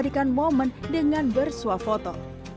dan momen dengan bersuap foto